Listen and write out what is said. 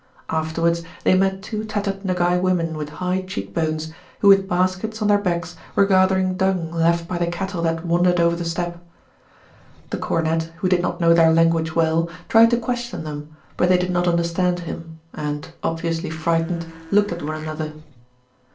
Afterwards they met two tattered Nogay women with high cheekbones, who with baskets on their backs were gathering dung left by the cattle that wandered over the steppe. The cornet, who did not know their language well, tried to question them, but they did not understand him and, obviously frightened, looked at one another.